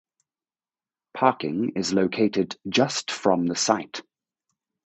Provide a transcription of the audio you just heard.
Parking is located just from the site.